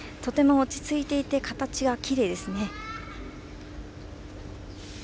落ち着いていて形がきれいですね。